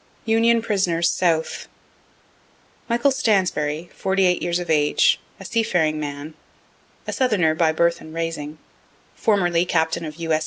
UNION PRISONERS SOUTH Michael Stansbury, 48 years of age, a seafaring man, a southerner by birth and raising, formerly captain of U. S.